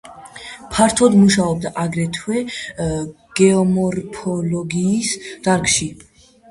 ფართოდ მუშაობდა აგრეთვე გეომორფოლოგიის დარგში.